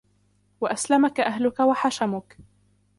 وَأَسْلَمَك أَهْلُك وَحَشَمُك